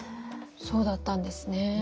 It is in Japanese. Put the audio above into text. そうだったんですね。